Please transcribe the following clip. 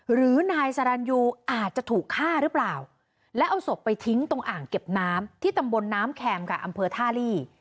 หรือนายสรรยูอาจจะถูกฆ่าหรือเปล่าแล้วเอาศพไปทิ้งตรงอ่างเก็บน้ำที่ตำบลน้ำแคมค่ะอำเภอท่าลี